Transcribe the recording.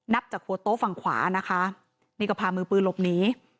จากหัวโต๊ะฝั่งขวานะคะนี่ก็พามือปืนหลบหนี